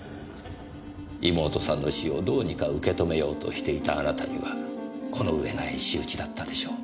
妹さんの死をどうにか受け止めようとしていたあなたにはこの上ない仕打ちだったでしょう。